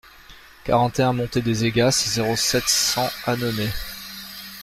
quarante et un montée des Aygas, zéro sept, cent, Annonay